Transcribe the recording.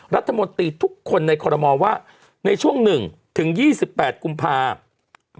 รัฐมนตรีทุกคนในคอรมอลว่าในช่วง๑๒๘กุมภาคม